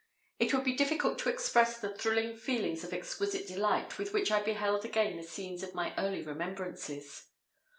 It would be difficult to express the thrilling feelings of exquisite delight with which I beheld again the scenes of my early remembrances.